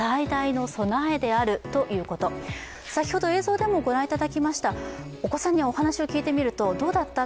先ほど映像でもご覧いただきました、お子さんにお話を聞いてみると、どうだった？